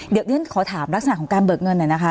เดี๋ยวฉันขอถามลักษณะของการเบิกเงินหน่อยนะคะ